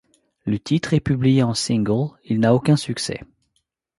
Le titre est publié en single, il n'a aucun succès.